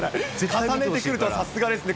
重ねてくるとはさすがですね。